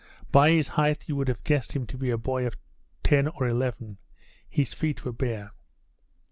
By his height you would have guessed him to be a boy of ten or eleven; his feet were bare.